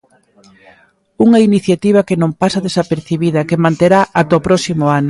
Unha iniciativa que non pasa desapercibida e que manterá ata o próximo ano.